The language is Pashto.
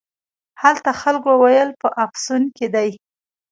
هلته خلکو ویل په افسون کې دی.